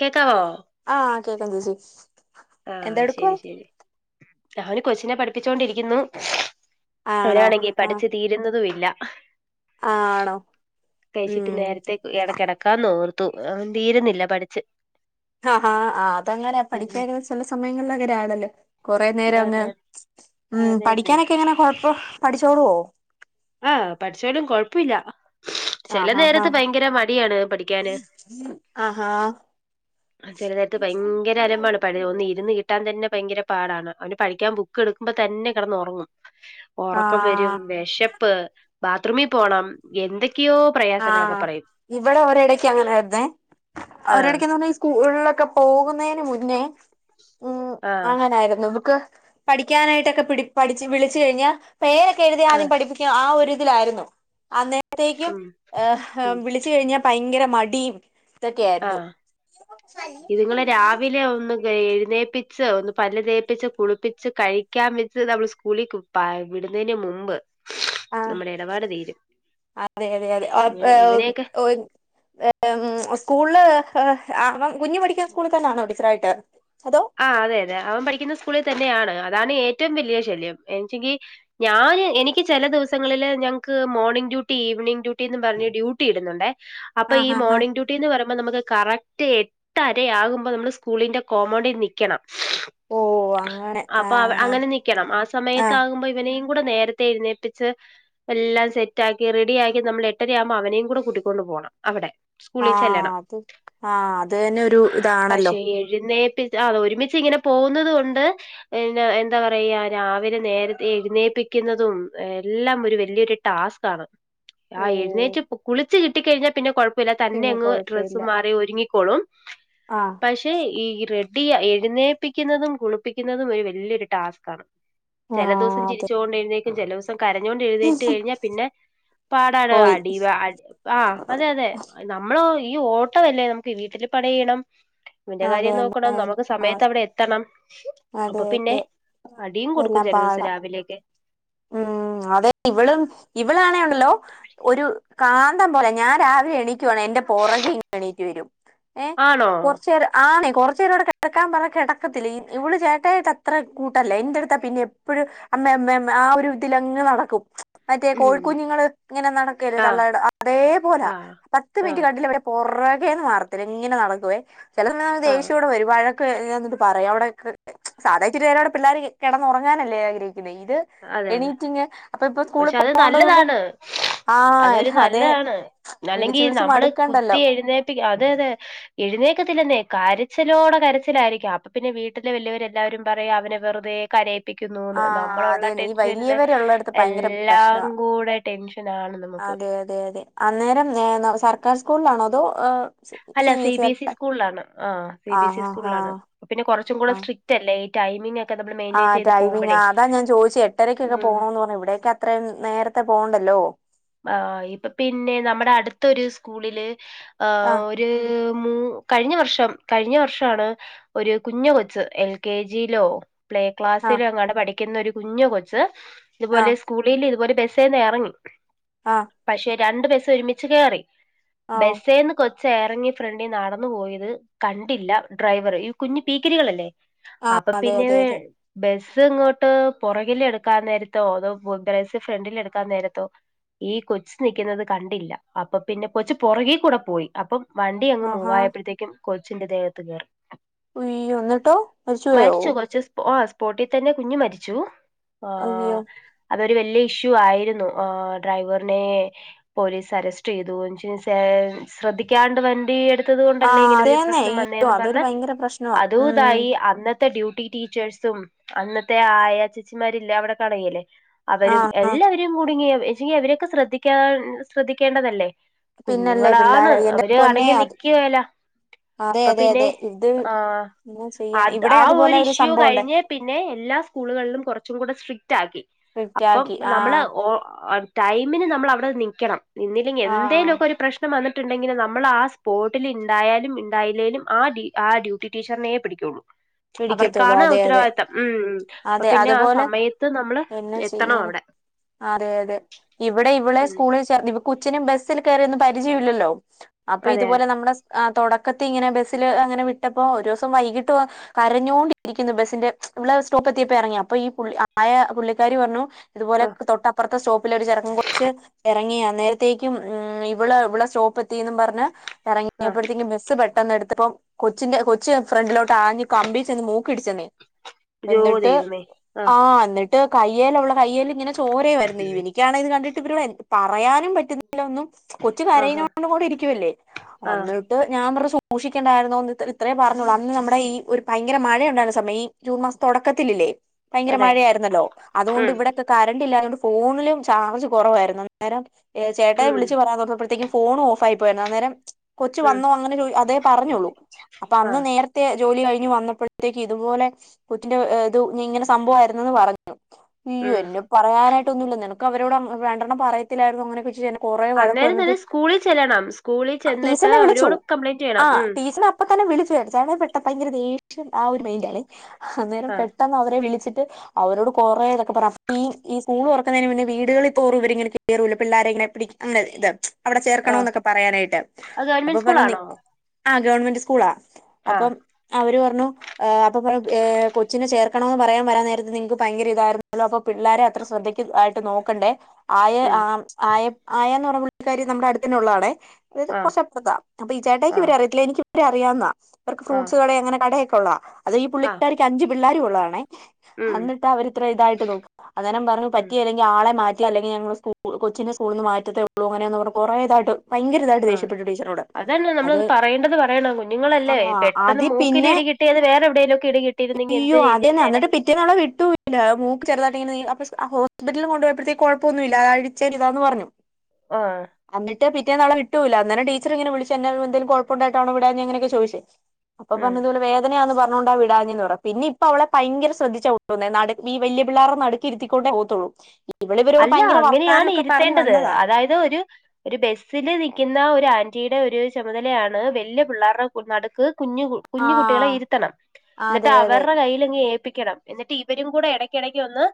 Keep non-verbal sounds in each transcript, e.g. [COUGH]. കേക്കാവോ? ആഹ് കേക്കാം ചേച്ചി ആഹ് എന്തെടുക്കുവാ ശരി ശരി [UNINTELLIGIBLE] കൊച്ചിനെ പഠിപ്പിച്ചോണ്ടിരിക്കുന്നു. ആണോ അവനാണെങ്കി ആഹ് പഠിച്ചു തീരുന്നതും ഇല്ല. ആണോ കഴിച്ചിട്ട് ഉം നേരത്തേ എട കെടക്കാന്ന് ഓർ ത്തു അവൻ തീരുന്നില്ല പഠിച്ച്. അഹാ ആഹ് അതങ്ങനെ പഠിക്കാനിരുന്ന ചെല സമയങ്ങളിൽ അങ്ങനെയാണല്ലോ. കൊറേ നേരം അങ്ങ് അതെ ഉം അതെന്നെ പഠിക്കാനൊക്കെ എങ്ങനെ കൊഴപ്പ് പഠിച്ചോളുവോ? ആഹ് പഠിച്ചോലും കൊഴപ്പില്ല. ചെല ആഹ് ആഹ് നേരത്ത് ആഹ് ഭയങ്കര മടിയാണ് പഠിക്കാന് ആഹാ ചെല നേരത്ത് ഭയങ്കര അലമ്പാണ് [UNINTELLIGIBLE] ഒന്ന് ഇരുന്ന് കിട്ടാൻ തന്നെ ഭയങ്കര പാടാണ് അവന്റെ പഠിക്ക്യാൻ ബുക്ക് എടുക്ക്മ്പ തന്നെ കെടന്നൊറങ്ങും ഒറക്കം വരും ആഹ് വെശപ്പ് ബാത്ത്റൂമി പോണം എന്തെ ആഹ് ഇവടെ ഒരിടക്ക് അങ്ങനായിര്ന്നേ ആഹ് ഒരടക്ക്ന്ന് പറ്ഞ്ഞാ ഈ സ്കൂളിലൊക്കെ പോകുന്നേന് മുന്നേ ഉം ആഹ് അങ്ങനായിരുന്നു ബുക്ക് പഠിക്കാനായിട്ടൊക്കെ പിടി പഠിച്ച് വിളിച്ച് കഴിഞ്ഞാ പേരെക്കെഴുതി ആദ്യം ആഹ് പഠിപ്പിക്കും ആഹ് ഒരു ഇതിലായിരുന്നു അന്നത്തേക്ക്യും ഉം ഏഹ് ഉം ഹം വിളിച്ച് കഴിഞ്ഞാ ഭയങ്കര മടീം ഇതൊക്ക്യാരുന്നു ആഹ് ന്നേപ്പിച്ച് ഒന്ന് പല്ല് തേപ്പിച്ച് കുളിപ്പിച്ച് കഴിക്കാൻ വെച്ച്തവള് സ്കൂളിക്ക് [UNINTELLIGIBLE] വിടുന്നേന്റ മു മുമ്പ് ആഹ് നമ്മടെ എടപാട് തീരും അതെ അതെ അതെ ഓഹ് ഇവനെ ഏഹ് ഇവനെയൊക്കെ ഓയ് ഏഹ് ഉം സ്കൂള് ഏഹ് [UNINTELLIGIBLE] കുഞ്ഞ് പഠിക്കിന്ന സ്കൂളി തന്നൊണോ ടീച്ചറായിട്ട് അതോ ആഹ് അതെ അതെ അവൻ പഠിക്ക്ന്ന സ്കൂളിൽ തന്നെയാണ് അ താണ് ഏറ്റവും വെല്ല്യാ ശല്യം എണ്ച്ചെങ്കി ഞാന് എനിക്കി ചെല ദിവസങ്ങളില് ഞങ്ങ്ക്ക് മോർണിംഗ് ഡ്യൂട്ടി ഈവനിംഗ് ഡ്യൂട്ടിന്നും പറഞ്ഞ് ഡ്യൂട്ടിയിടുന്നുണ്ടേ അപ്പൊ ഈ ആഹ് ആഹ് ആഹ് മോർണിംഗ് ഡ്യൂട്ടീന്ന് പറിയ്മ്പോ നമ്മക്ക് കറക്റ്റ് എട്ടരയാവുമ്പൊ നമ്മള് സ്കൂളിന്റെ കോമ്പൗണ്ടി നിക്ക്യണം ഓഹ് അങ്ങനെ അപ്പൊ അവ ആഹ് ആഹ് അങ്ങനെ നിക്ക്യണം ആഹ് ആഹ് സമയത്താവുമ്പോ ഇവനേയും കൂടെ നേരത്തെ എഴുന്നേപ്പിച്ച് എല്ലാം സെറ്റാക്കി റെഡിയാക്കി നമ്മള് എട്ടരയാവുമ്പൊ അവനേം കൂടെ കൂട്ടിക്കൊണ്ട് പോണം അവടെ ആഹ് അത് ആഹ് അതിയന്നൊരു ഇതാണല്ലോ പക്ഷെ [UNINTELLIGIBLE] ഒരുമിച്ച് ഇങ്ങനെ പോവുന്നത് കൊണ്ട് പിന്നെ എന്താ പറയാ രാവിലെ നേരത്തെ എഴുന്നേപ്പി ക്കുന്നതും എല്ലാം ഒര് വെല്ല്യൊര് ടാസ്കാണ് ആഹ് ഓഹ് എഴുന്നേറ്റ് കു കുളിച്ച് കിട്ടിക്കഴിഞ്ഞാ പിന്നെ കൊഴപ്പല്ല തന്നെ പിന്നെ അങ്ങ് ഡ്രസ്സ് കൊഴപ്പയില്ല മാറി ഒരുങ്ങിക്കോളും ആഹ് പക്ഷെ ഈ ഇ റെഡ് ടിയ എഴുന്നേപ്പിക്കുന്നതും കുളിപ്പിക്കുന്നതും ഒരു വല്ല്യാര് ടാസ്കാണ് ചെല ദിവസം ആഹ് അതെ ചിരിച്ചോണ്ട് എഴുന്നേക്കും ചില സം കരഞ്ഞോണ്ട് എഴുന്നേറ്റ് കഴിഞ്ഞാൽ പിന്നെ പാടാണ് പോയി അടി വ ആഹ് അതെ അതെ നമ്മളോയ് ഈ ഓട്ടവല്ലേ നമുക്ക് വീട്ടില് പണി ചെയ്യണം ഇവന്റെ അതെ കാര്യം നോക്കണം നമുക്ക് സമയത്ത് അതെ അവിടെ എത്തണം അപ്പൊ പിന്നെ അതെ അടിയും കൊടുക്കും ചില ദിവസം രാവിലെയൊക്കെ ഉമ് അതെ ഇവളും ഇവളാണെ ഉണ്ടല്ലോ ഒരു കാന്തം പോലെ ഞാൻ രാവിലെ എണീക്കുവാണെ എന്റെ പുറകെ ഇ എണീറ്റ് വരും ഏഹ് ആണോ കുറച്ചേരം ആണെ കൊറച്ചേര വിടെ കിടക്കാൻ പറഞ കിടക്കത്തില്ല ഇവള് ചേട്ടായിട്ട് അത്ര കൂട്ടല്ല എന്റെ അടുത്താ പിന്നെ എപ്പഴും അമ്മേ മ്മേ ആ ഒരു ഇതിലങ്ങ് നടക്കും മറ്റേ ഉം കോഴിക്കുഞ്ഞുങ്ങൾ ഇങ്ങനെ നടക്കല്ലേ ആ തള്ളട അതേപോലെ ആ പത്ത് ആ മിനിറ്റ് കണ്ടവിടെ പോർ പുറകെ മാർത്തില്ല ഇങ്ങനെ നടക്കുവേ ചില സമയം നമ്മ ആ ദേഷ്യോവിടെ വരു വയോകെ ഞ ന്നിട്ട് പറയാ അവിടെ സാധാ ഇച്ചിരി നേരം കൂടി പിള്ളേർ കിന്നുറങ്ങാനല്ലേ ആഗ്രഹി അതെ അതെ ഇപ്പൊ സ്കൂളിൽ പക്ഷെ അത് പോകണ്ടത് കൊണ്ട് നല്ലതാണ് അതൊരു ആഹ് അതെ നല്ലാണ് അല്ലെങ്കി വിളിച്ച് വിളിച്ച് നമ്മള് മടുക്കണ്ടല്ലോ കുത്തി എഴുനെപ്പി അതെ അതെ എഴു ന്നേക്കത്തില്ലെന്നേ കരച്ചിലോടെ കരച്ചിലായിരിക്കാം അപ്പൊ പിന്നെ വീട്ടിലെ വല്യൊര് എല്ലാരും പറയും അവനെ വെറുതെ കര പ്പിക്കുന്നൂ ന്ന് ആഹ് നമ്മൾള അതെ നീ ഷില് വലിയവരുള്ളടത്ത് ഭയങ്കര എല്ലാം പ്രശ്നവാ കൂടെ ടെൻഷൻ ആണ് നമുക്ക് അതെ അതെ അതെ അന്നേരം ഏ സർക്കാർ സ്കൂളിലാണോ അതോ ഏഹ് അല്ല സി ബി സി സ്കൂളിലാണ് ആഹ് സി ബി ആഹ് സി ആഹ് സ്കൂളിലാണ് ആഹ് പിന്നെ കുറച്ചും കൂടെ ആഹ് സ്ട്രിക്റ്റ് അല്ലേ ടൈമിംഗ് ഒക്കെ നമ്മൾ മെയിന്റെയിൻ ആഹ് ചെയ്ത് ടൈമിംഗ പോകുമ്പോഴേ അതാ ഞാൻ ചോദിച്ച എട്ടരക്കൊക്കെ ഉം പോണോ പറഞ്ഞു ഇവിടൊക്കെ അത്രയും നേരത്തെ പോവണ്ടല്ലോ ആഹ് ഇപ്പൊ പിന്നെ നമ്മടെ അടുത്തരു സ്കൂളില് ആഹ് ഒരു മു കഴിഞ്ഞ വർഷം കഴിഞ്ഞ വർഷാണ് ഒരു കുഞ്ഞു കൊച്ച് എൽ കെ ജി ലോ പ്ലേ ആഹ് ക്ലാസ്സിലെങ്ങാണ്ട പഠിക്കുന്ന ഒരു കുഞ്ഞ് കൊച്ച് ഇതുപോലെ ആഹ് സ്കൂളിൽ ഇതുപോലെ ബ സേന്ന് ഇറങ്ങി. ആഹ് പക്ഷെ രണ്ട് ബസ്സ് ഒരുമിച്ച് കേറി ആഹ് ഓഹ് ബസ്സേന്ന് കൊ ചേറങ്ങി ഫ്രണ്ടി നടന്നു പോയത്. കണ്ടില്ല ഡ്രൈവർ ഈ കുഞ്ഞ് പീക്കിരികളില്ലേ? ആഹ് അപ്പൊ അതെ പിന്നെ അതെ അതെ ബസ് ഇത് ഇങ്ങോട്ട് പുറകിൽ എടുക്കാൻ നേരത്തോ അതോ ബ്രേസ് ഫ്രണ്ടിൽ എടുക്കാൻ നേരത്തോ? ഈ കൊച്ച നൽക്കുന്നത് കണ്ടില്ല. അപ്പൊ പിന്നെ കൊച്ച് പുറകെ കൂടെ പോയി. അപ്പം വണ്ടി അങ്ങ് ആഹാ മൂവായപ്പോഴത്തേക്കും കൊച്ചിന്റെ ദേഹത്ത് കേറി. ! വ യ്യോ എന്നിട്ടോ മരിച്ചുപോയോ? പോട്ടി തന്നെ കുഞ്ഞ് മരിച്ചു. ആ. അയ്യോ അതൊരു വല്ല്യ ഇഷ്യൂ ആയിരുന്നു. ആ ഡ്രൈവറിനെ പോലീസ് അറസ്റ്റ് ചെയ്യുന്നു. സ്സ്. സ്സേ. ശ്രദ്ധിക്കാണ്ട് വണ്ടി എടുത്ത് ത്തത്. കൊണ്ടല്ലേ ആഹ് ഇങ്ങനെ ഒരു അതേന്നെ പ്രശ്നം അയ്യോ വന്നേന്ന് അതൊരു പറഞ്ഞ ഭയങ്കര പ്രശ്നവാ ഉം അതുതായി. അന്നെ ഇത്തെ [UNINTELLIGIBLE] ഡ്യൂട്ടി ടീച്ചേഴ്സും അന്നത്തെ ആയാച്ചച്ചിമാരില്ലേ അവിടെ കണുകല്ലേ അവരും ആഹ് എല്ലാവരും കൂടുങ്ങിയച്ചി അവരൊക്കെ ശ്രദ്ധിക്കാ ശ്രദ്ധിക്കേണ്ടതല്ലേ? പിന്നല്ലേ കുഞ്ഞുങ്ങളാണ്. പിള്ളാരെ എന്റെ അവര് പൊന്നേ അടങ്ങി അത് നിക്കില അതെ അപ്പൊ അതെ പിന്നെ അതെ ഇത് ആഹ എന്നാ ചെയ്യാന അത് ഇവിടെ ആ അതുപോലെ ഒരു ഇഷ്യൂ സംഭവം ഉണ്ട് കഴിഞ്ഞ് പിന്നെ എല്ലാ സ്കൂളുകളും കൊറച്ച് കുച്ചും കൂടെ സ്ട്രിക്ട് ആക്കി. സ്ട്രിക്റ്റ് അപ്പം ആക്കി നമ്മള് ആഹ് ഓ ആ ടൈമിന് നമ്മൾ അവിടെ നിക്കണം. ന്നിന്നില്ലേങ്കെ ആഹ് എന്തേലൊക്കെ ഒരു പ്രശ്നം വന്നി ണ്ടെങ്കിൽ നമ്മൾ ആ സ്പോട്ടിൽ ഉണ്ടായാലും ഉണ്ടായില്ലേലും ആ ടി ആ ഡ്യൂട്ടി ടീച്ചറിനെ പിടികുള്ളൂ. പിടിക്കത്തുള്ളൂ അവർക്കാണ് അതെ അതെ ഉത്തരവായിത്തം. മ്മ്മ് അപ്പൊ അതെ പിന്നെ ആ അതുപോലെ സമയത്ത് നമ്മള് എന്നാ എത്തണം. ചെയ്യാന അവിടെ അതെ അതെ ഇവിടെ ഇവിളേ ഉം സ്കൂളിൽ ചേർ ഇവ ഈ കൊച്ചിന് ബസ്സിൽ കയറിയൊന്ന് പരിജയില്ലല്ലോ? അപ്പൊ അതെ ഇതുപോലെ നനമ്മളെ സ് തോട ക്കത്തി ഇങ്ങനെ ബസ്സിൽ അങ്ങനെ വിട്ടപ്പോ ഒരുസം വൈകിട്ട് വ കരഞ്ഞോണ്ടിരിക്കുന്നു ബസ്സിന്റെ [UNINTELLIGIBLE] ബ്ലസ് സ്റ്റോപ്പ് എത്തിയപ്പോ ഇറങ്ങി അപ്പൊ ഈപുള്ളി ആ ആയ പുള്ളിക്കാരി പറഞ്ഞു... ഇതുപോലെ ആഹ് തൊട്ടപ്പുറത്തെ സ്റ്റോപ്പിൽ ഒരു ചെറങ്ങ കുറച്ച് ഇറങ്ങിയാ നേരത്തേക്കും ഇവിള ഇവിടെ സ്റ്റോപ്പ് എന്നേരത്തേകും. മ്മ്, ഇവൾ. ഇവളെ സ്റ്റോപ്പ്. എത്തീന്നും പറഞ്ഞ്. എറങ്ങി ആഹ് പത്തി [UNINTELLIGIBLE] ബസ്സ്‌ പെട്ടന്ന് എടു ഇപ്പം കൊച്ചിന്റെ കൊച്ചി ഫ്രണ്ടിലോട്ട് ആഞ്ഞ് കമ്പി ചന്ന് മൂക്കിടിച്ചെന്നേ... അയ്യോ എന്നിട്ട് ദൈവമേ ആഹ് ആഹ എന്നി.... കയ്യൽ ഉള്ള കയ്യൽ ഇങ്ങനെ ചോരേ വരുന്നു ഇവ എനിക്കാണ് ഇത് കണ്ടിട്ട് ഇവ പറയാനും പറ്റുന്ന്... കൊ ആഹ് കരല്ലേിട്ട് ആഹ് ഞ [UNINTELLIGIBLE] മൂഷിക്കേണ്ടായിുന്നന്ന്ത്ര ഇത്രയേ സൂക്ഷിണ്ടായിരുന്നോ ഇത്രേ. ഇത്ര പറഞ്ഞോളൂ അന്ന് നമ്മുടെ ഈ ഒരു ഭയങ്കര മഴയണ്ടായിരുന്ന സമയ ഈ ജൂൺ മാസ.... തുടക്കത്തിലില്ലേ ഭയങ്കര അതെ മഴയിര് ന്നല്ലോ അതുകൊണ്ട് ഉം ഇവിടൊ ക്കെ. കര... തുകൊണ്ട് ഫോണിലും ചാർജ് കറണ്ടില്ലഞ്ഞിടു ഫോണിലും ചാർജ് കുറവായിരുന്നു. അന്നേരം. എ. ചേട്ടയെ ഉം വിളിച്ചച്ച് പറയാൻന്ന് [UNINTELLIGIBLE] പറന്നപ്പോഴത്തേക്കും ഫോൺ ഓഫ് ആയി പോയിരുന്നു ഫോൺ ഓഫായിപോയെന്ന് അന്നേരം കൊച്ചു ഉം വന്നോ അങ്ങനൊരു അതേ പറഞ്ഞോുള്ളൂ അപ്പൊ അന്ന് ആഹ് നേരത്തെ ജോലി കഴിഞ്ഞ് വന്നപ്ൾത്തേക്ക് ഇതുപോലെ കറ്റിന്റെ ഇത് ഇങ്ങനെ സംഭവമായിരുന്ന് പറഞ്ഞു... യ്യോ. ഉം എന്നെ. പറയാനായിട്ട്. ഒന്നുല്ല നിനക്ക് അവരോട്. മം. രണ്ടെണ്ണം പറയത്തില്ലായിരുന്നോ അങ്ങനെക്കച്ച്... കൊറേ, വഴക് അന്നേരം പറഞ്ഞിട്ട്... തന്നെ സ്കൂളിൽ ചെല്ലണം സ്കൂളിൽ ചെന്നിട്ട് ടീച്ചർനെ വിളിച്ചു. അവരോട് കംപ്ലൈന്റ് ആ, ചെയ്യണം ഉം ടീച്ചർനെ അപ്പത്തന്നെ.... വിളിച്ചു ചേർമാൻ പെട്ട ഭയങ്കര ദേഷ്യം ആ ഒരു മൈന്റ് ലേ,, ഹ, ഹ്, അന്നേരം ആഹ് പെട്ടെന്ന് അവരെ വിളിച്ചിട്ട്..... അവരോട് കുറെേതൊക്കെ പറ ഈ ഈ സ്ൂള് തുറക്കുന്നതിന് മുന്നേ വീടുകളിൽ തോറും ഇവരിങ്ങന ക കേറ പിള്ളാര [UNINTELLIGIBLE] അങ്ങനെ. പിടിക്. അങ്ങനെ ഇതാ.. അവിടെ ചേർകണോ ആഹ് എന്നൊക്കെ പറയാനായിട്ട്. ഹ്, അത് അപ്പൊ ഗവൺമെന്റ് പറഞ്ഞു സ്കൂളാണോ നിക് ആ ഗവൺമെന്റ് സ്കൂളാ ആഹ് അപ്പം. അവര്. പറണു. ഹേ. [UNINTELLIGIBLE] അപ്പൊറ കൊച്ചിനെ ചേർക്കണമന്ന് പറയാൻ വൻ നേരത്ത് നിങ്ങക്ക് ഭയങ്കര ഇതായിരുന്നുള്ള അപ്പോ പിള്ളേരെ അത്ര ശ്രദ്ധിക്ക ആായിട്ട് നോക്ക [UNINTELLIGIBLE] ക്കണ്ടേ ആയെ, ഉം ആം, ആയ ആയന്ന് പറഞ്ഞ പുള്ളിക്കാരി നമ്മുടെ അടുതന്നെ ഉള്ളാണെ... [UNINTELLIGIBLE] ആഹ് കൊറച്ചപ്പത്ഥ അപ്പൊ. ഈ ജെട്ടായിക് ഇവരെ ആഹ് അറിയത്തില. എനിക്കിവരെ അറിയാവുന്ന. ഇവർക്ക് ആഹ് ഫ്രൂ്ട്സ് കട. യങ്ങനെ കടയൊക്കെ ള്ള. അത് ഈ ആഹ് പുള്ളിക്കാരിക്ക് അഞ്ച് പിള്ളേരുള്ളാണേ... ഹ, ഹ്. അ. ഉം എന്നിട്ട് അവരിത്ര ഇതായിട്ട് നോക്. അന്നേരം പറഞ്ഞു. ഉം പറ്റിയെലെ ങ്കി. ആളെ മാ.... അല്ലെങ്കിൽ. കൊച്ചിനെ കൊച്ചിന്റെ സ്കൂള നിന്ന് മാറ്റേ ഉള്ളൂ [UNINTELLIGIBLE] അങ്ങനെയന്ന് പറ കുറേതായിട്ട് ആ, അതെന്നെ. അത് നമ്മളത് പറയേണ്ടത് പറയണം കുഞ്ഞുങ്ങളല്ലേ ആഹ് പെട്ടെന്ന് മൂക്കിലി ഇടി.... കിട്ടിയത് വേറെ എവിടേലും... ഒക്കെ ഇടി കിട്ടിയിരുന്നെങ്കി എന്ത് യ്യോ, അതെന്നെ ചെയ്തിരുന്നേനെ എന്നി്ട്ട് പിറ്റേന്ന് അവളെ വിട്ടൂല്ല മൂക്ക് ചെറുതായിട്ടിങ്ങനെ [UNINTELLIGIBLE] ആ, ഹോസ്പിറ്റലിൽ കൊണ്ടെയേ പോട്ത്തേക്. കുഴപ്പൊന്നുല്ല അഴിച്ചേരിതാന്ന് പറഞ്ഞു [UNINTELLIGIBLE] ആഹ,.. പിറ്റേന്ന്. അവളെ വിട്ടൂല്ല ടീച്ചർങ്ങനെ വിളിച് എന്നെ എന്തേലും എന്തും കുഴപ്പണ്ടായിട്ടാണോ വിടാഞ്ഞെ എങ്ങനെയക്കെചോയിച്ച് അപ്പ ഉം പറഞ്ഞതോലെ വേദനയാന്ന് പറഞ്ഞോണ്ട വി... പറ പിന്നെ ഇപ്പ അവളെ ഭയങ്കര ശ്രദ്ധിച്ച [INAUDIBLE] നട് ഈ വല്യ പിള്ളാരെ നടുക്കിരുത്തികൊണ്ടേ പോകതൊള്ളു അല്ല അങ്ങനെയാണ് ഇരുത്തേണ്ടത് വന്നതാ അതായത് ഒരു ഒരു ബസിൽ നിൽക്കുന്ന ഒരു ആന്റിയുടെ ഒരു ചുമതലയാണ് വലിയ പിള്ളേരുടെ നടുക്ക് കുഞ്ഞ് കുഞ്ഞുകുട്ടികളെ ആഹ് ഇരുത്തണം എന്നിട്ട് അതെ അതെ അവരുടെ കയ്യില് അങ്ങ് ഏ ൽപ്പിക്കണം എന്നിട്ട് ഇവരും കൂടെ ഇടയ്ക്കിടക്ക് ഒന്ന്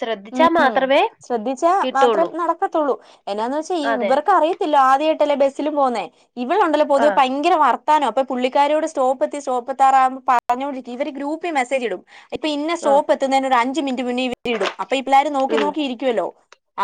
ശ്രദ്ധിച്ചാൽ ഉം മാത്രമേ ശ്രദ്ധിച്ചാ മാത്രേ കിട്ടുള്ളൂ നടക്കത്തുള്ളൂ എന്നാന്ന് വെച്ചാ അതെ ഇവർക്ക് അറിയത്തില്ല ആദ്യമായിട്ടല്ലേ ബസ്സിലും പോന്നേ ഇവളുണ്ടല്ലോ പൊതുവേ ആഹ് ഭയങ്കര വർ താനോ അപ്പ പുള്ളിക്കാരോട് സ്റ്റോപ്പ് എത്തി സ്റ്റോപ്പ് എത്താറവുമ്പോ പറഞ്ഞോണ്ടി് [INAUDIBLE] ഇവര് ഗ്രൂപ്പിൽ മെസേജ് ഇടും ഇപ്പ ഇന്ന ആഹ് സോപ്പ് എത്തുന്നതിന് ഒരു അഞ്ച് മിനിറ്റ് മുന്നേ ഇവ അപ്പൊ ഈ പിള്ളേർ നോക്കി ഉം നോക്കിയിരിക്കുവല്ലോ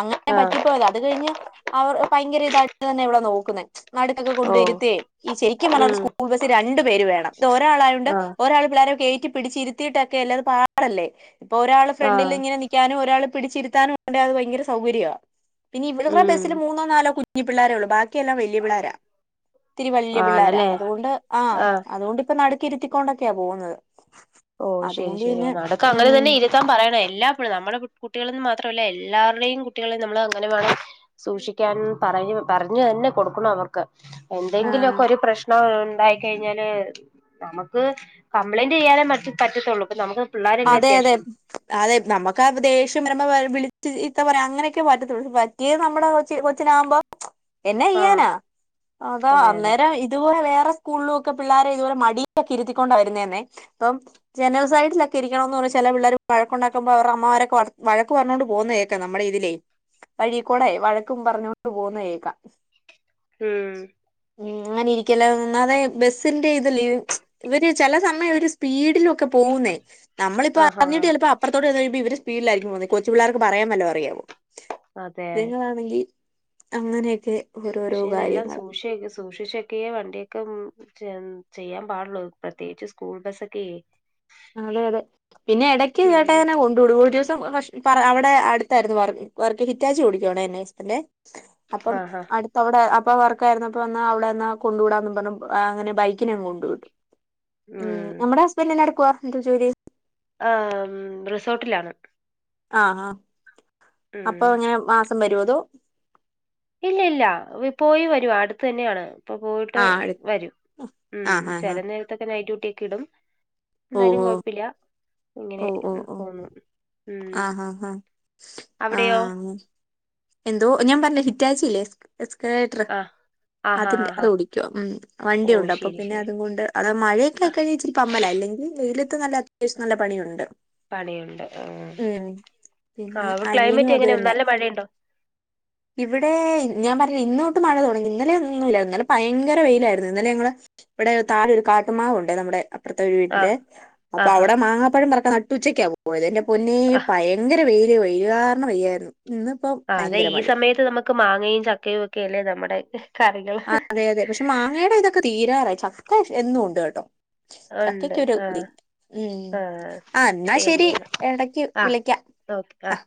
അങ്ങനെ ആഹ് പറ്റിപ്പോയത അത് കഴിഞ്ഞ് അവർ ഭയങ്കര ഇതായിട്ട് തന്നെ ഇവളെ നോക്കുന്നെ നാട്ടത്തൊക്കെ ഓ കൊണ്ടുവരുത്തയ ഈ നടുകൊക്കെ കൊണ്ടിരുത്തി ഈ ശരിക്കും പറഞ്ഞൽ ഒരു ഉം സ്കൂൾ ബസ്സിൽ രണ്ടു പേര് വേണം ഇത് ഒരാളായണ്ട് ആഹ് ഒരാൾ പിള്ളേരും കേ റ്റി പിടിച്ചിരുത്തിയിട്ടൊക്കെല്ലെ അത് പാടല്ലേ ഇപ്പോ ഒരാള് ഫ്രണ്ടിൽ ആഹ് ഇങ്ങനെ നി ഒരാൾ പിടിച്ച് ഇരുത്താനുണ്ടെ അത് ഭയങ്കര സൗകര്യാ പിന്നെ ഇവിടുത്തെ ഉം ബസ്സിൽ മൂന്നോ നാലോ കുഞ്ഞ് ഞ്ഞി പിള്ളേരൊള്ളു ബാ ബാക്കിയെല്ലാ വല്യ പിള്ളാര ത്തിരി വല്യ പിള്ളോര ആണല്ലേ അതുകൊണ്ട് ആഹ് അതുകൊണ്ടിപ്പ ഇരുത്തിക്കൊണ്ടൊക്കെയാ പോകുന്നത് ഓ ശരി അതുകൊണ്ട് ശരി പിന്നെ നടക്ക അങ്ങനെ ഉം തന്നെ ഇരുത്താൻ പറയണം ല്ല്യേ എല്ലാം പുള്ളാ നമ്മുടെ കുട്ടികളന്ന് മാത്രല്ല എല്ലാവരുടെേയും കുട്ടികളെയും നമ്മൾ അങ്ങനെ വേണം സൂക്ഷിക്കാൻ പറ പയഞ്ഞു പറഞ്ഞു തന്നെ കൊടുക്കണം അവർക്ക് ആഹ് എന്തെങ്കിലൊക്കെ ഒരു പ്രശ്നം ഒ ഇതായി കഴിഞ്ഞാല് നമുക്ക് കംപ്ലൈൻ്റിയാനെ മറ്റ് പറ്റത്തുള്ളു പ്പൊ നമുക്ക്. പിള്ളേരല്ലേ അതെ അതെ അത്യാവശ്യം അതെ നമ്മുക്ക് ആ ദേഷ്യം വരുമ്പോ ആ വിളി റ്റ് ഇത്ത പറയാ അങ്ങനെയൊക്കെ പറ്റതൊള്ളു പറ്റിയത് നമ്മുടെ കൊച്ച് കൊച്ചിനാകുമ്പോ എന്നാ ആഹ് ചെയ്യാനാ അത്യ അതെ അതെ അന്നേരം ഇതുപോലെ വേ സ്‌കൂളിലൊക്കെ പിള്ളാരെ ഇതുപോലെ മടിയിലൊക്കെ ഇരുത്തിക്കൊണ്ട വരുന്നെന്നെ, ഇപ്പൊ ജനൽ സൈഡില രിക്കണം എന്ന് പറഞ്ഞ ചില പിള്ളേർ വഴക്കണ്ടാക്കുമ്പോ അവടെമ്മമാരൊക്ക വഴ വഴക്ക് പറഞ്ഞുക കൊണ്ട് പോകുന്നതേക്കെ നമ്മുടെ ഇതിലേ വഴിക്കൂടെ വഴക്കും പറഞ്ഞൊണ്ട് പോകുന്നെ കേക്കാം. ഉം. ഉം ഇങ്ങനെ ഇരിക്കല്ലോ ഒന്നാതെ ബസ്സിന്റെ ഇതല്ലേ [UNINTELLIGIBLE] ഇവര് ചില സമയം ഒരു സ്പീഡിലൊക്കെ പോ പോവുന്നേ നമ്മളിപ്പോ ആഹാ അറിഞ്ഞിട്ട് ചിലപ്പോ അപ്പുറത്തോട്ട് ചെന്ന്കഴിയുമ്പോ ഇവര് സ്പീഡിലായിരിക്കും പോന്നെ, കൊച്ചുപിള്ളേർക്ക് പറയാൻ വല്ലോം അറിയാവോ? അതെ നിങ്ങളാന്നെങ്കി അങ്ങനെയൊക്കെ ഓരോരോ പക്ഷെ ഇതെല്ലാം കാര്യങ്ങൾ സൂക്ഷ സൂക്ഷിച്ചൊക്കെയ വണ്ടിയൊക്കെ മ് ചെയ്യാൻ പാടുള്ളൂ പ്രത്യേകിച്ച് സ്കൂൾ ബസ്സൊക്കെയ്. അതെ അതെ പിന്നെ ഇടക്ക് ചേട്ടായി തന്നെ കൊണ്ടുവിടും ഒരുസം കഷ് പറയാതെ ടെ അടുത്തായിരുന്നു വർ വർക്ക്ഹിറ്റാച്ചി ഓടിക്കാണെ [INAUDIBLE] അപ്പം ആഹാ അടുത്ത അവടെ ഇപ്പ വർക്കായിരുന്നപ്പോ അന്ന് അവളെന്ന കൊണ്ടുവിടാന്നും പറഞ്ഞ് ആ അങ്ങനെ ബൈക്കിനങ് കൊണ്ടു വിട്ടു. ഉം നമ്മുടെ ഹസ്ബൻഡ് എന്നാ എടുക്കുവ എന്താ ജോലി? ആ ഉം റിസോർട്ടിലാണ്. ആഹ് ആഹ് ഉം അപ്പൊ എങ്ങനെ മാസം വ രുവോ? അതോ ഇല്ല ഇല്ല പോയി വരുംവ അടുത്തന്നെയാണ്. ഇപ്പൊ പോയിട്ട് ആഹ് എടു വരും ഉം ആഹ് ആഹ് ചില ആഹ് നേരത്തൊക്കെ നൈറ്റ് ഡ്യൂട്ടിയൊക്കെയിടും. ഇന്നാലും ഓഹ് കൊഴപ്പില്ല ഇങ്ങനെ ഓഹ് ഓഹ് ഓഹ് ഓഹ് പോന്നു ഉം ആഹ് അഹ് അഹ് അവിടെയോ ആഹ് എന്തോ ഞാൻ പറഞ് [UNINTELLIGIBLE] ഹിറ്റാച്ചിയില്ലേ എസ്കലേറ്റ്ർ ആഹ് ആഹാ അതിന്റെ അത് ആഹാ ഓടിക്കോ ഉം ഓ വണ്ടിയുണ്ട്. അപ്പൊ ശരി പിന്നെ ശരി അതുംകൊണ്ട് അത് ആ മഴയൊക്കെയായിക്കഴിഞ്ഞ ഇച്ചിരി പമ്മല ഇല്ലെങ്കിൽ വെയിലത്ത് നല്ല അത്യാവശ്യം നല്ല പണിയുണ്ട് പണിയുണ്ട് ആഹ് ഉം പിന്നെ ആഹ് അനിയനും ക്ലൈമറ്റ് അത് എങ്ങനെ തന്നെ നല്ല മഴ ഇണ്ടോ ഇവിടെ ഞാൻ പറഞ്ഞ് ഇന്നോട്ട് മഴ തൊടങ്ങി ഇന്നലെ ഇന്നു ഇല്ല ഇന്നലെ പയങ്കര വെയിലായിര്ന്നു ഇന്നലെ ഞങ്ങള് ഇവിടെ താഴെ ഒരു കാട്ടുമാവുണ്ട് നമ്മടെ അപ്പർത്തെ വീട്ട്ലെ ആഹ് അപ്പൊ ആഹാ ഔടെ മാങ്ങാപ്പഴം പറിക്കാ നട്ടുച്ചക്കാ പോയത് എന്റെ പൊന്നേ ആഹ് പയങ്കര വെയ്ല് വെയ്ല് കാര്ണം വെയ്യായ്ര്ന്നു ഇന്ന്പ്പോ ആഹ് അതെ ഈ സമയത്ത് നമുക്ക് മാങ്ങയും ചക്കയും ഒക്കെയെല്ലേ നമ്മടെ ആഹ് അതെ അതെ പക്ഷെ മാങ്ങേയ്ടെ ഇതൊക്കെ തീരാറായി ചക്ക എന്നുംണ്ട് കെട്ടോ ഉണ്ട് ചക്കക്കൊരു ഇത് ആഹ് ഉം ആഹ് ആഹ് ന്നാ ശെരി ശരിയെന്നാ എടക്ക് ആഹ് വിളിക്ക ഓക്കെ ആഹ്